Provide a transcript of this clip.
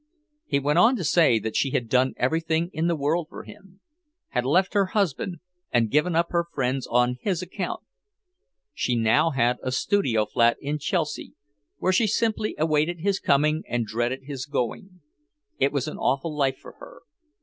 He went on to say that she had done everything in the world for him; had left her husband and given up her friends on his account. She now had a studio flat in Chelsea, where she simply waited his coming and dreaded his going. It was an awful life for her.